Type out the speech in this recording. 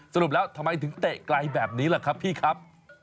สรุปแล้วทำไมถึงเตะไกลแบบนี้ล่ะครับพี่ครับ